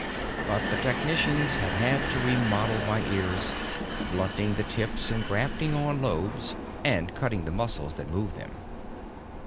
But the technicians had had to remodel my ears, blunting the tips and grafting on lobes and cutting the muscles that move them.